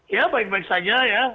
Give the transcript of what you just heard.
ya baik baik saja ya